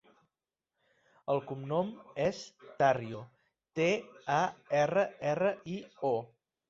El cognom és Tarrio: te, a, erra, erra, i, o.